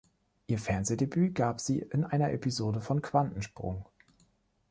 Ihr Fernsehdebüt gab sie in einer Episode von „Quantensprung“.